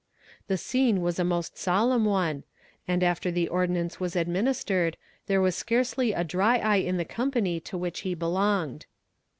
The scene was a most solemn one, and after the ordinance was administered there was scarcely a dry eye in the company to which he belonged.